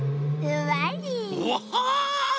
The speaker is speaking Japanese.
うわ！